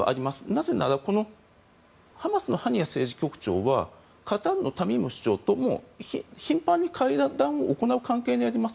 なぜならこのハマスのハニヤ政治局長はカタールのタミーム首長とも頻繁に会談を行う関係にあります。